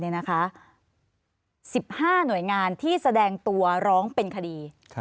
๑๕หน่วยงานที่แสดงตัวร้องเป็นคดี